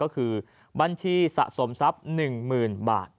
คือบัญชีสะสมศัพท์๑๐๐๐๐บาท